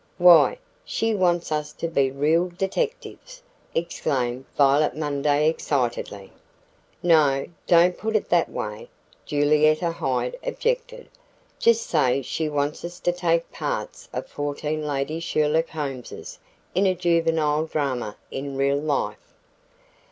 "Why, she wants us to be real detectives," exclaimed Violet Munday excitedly. "No, don't put it that way," Julietta Hyde objected. "Just say she wants us to take the parts of fourteen Lady Sherlock Holmeses in a Juvenile drama in real life."